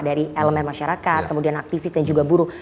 dari elemen masyarakat kemudian aktivis dan juga buruh